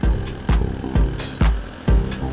kamu dukung ada jamur